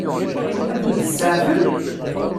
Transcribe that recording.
Ad tent-tseɛfem?